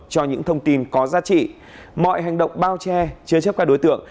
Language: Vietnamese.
cho những thông tin có giá trị mọi hành động bao che chứa chấp các đối tượng